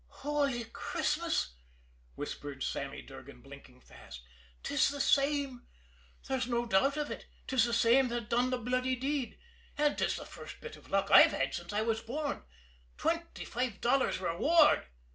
"Holy Christmas!" whispered Sammy Durgan, blinking fast. "'Tis the same! There's no doubt of it 'tis the same that done the bloody deed! And 'tis the first bit of luck I've had since I was born! Twenty five dollars reward!"